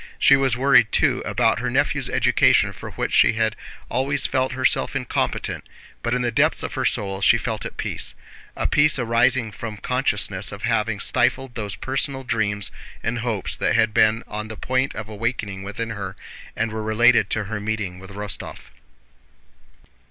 She was worried too about her nephew's education for which she had always felt herself incompetent, but in the depths of her soul she felt at peace—a peace arising from consciousness of having stifled those personal dreams and hopes that had been on the point of awakening within her and were related to her meeting with Rostóv.